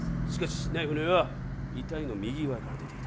しかし、ナイフの柄は遺体の右側から出ていた。